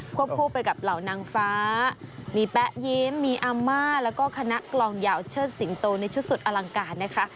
คู่ไปกับเหล่านางฟ้ามีแป๊ะยิ้มมีอาม่าแล้วก็คณะกลองยาวเชิดสิงโตในชุดสุดอลังการนะคะ